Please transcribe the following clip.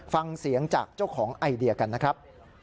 ฟังเสียงจากเจ้าของไอเดียกันนะครับ